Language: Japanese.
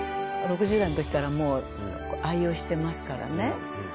６０代のときからもう愛用してますからね。